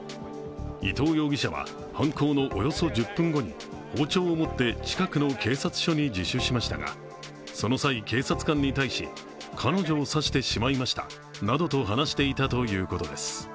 伊藤容疑者は犯行のおよそ１０分後に包丁を持って、近くの警察署に自首しましたが、その際、警察官に対し彼女を刺してしまいましたなどと話していたということです。